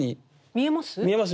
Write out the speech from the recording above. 見えます？